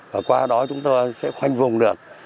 và qua đó chúng tôi sẽ khoanh vùng được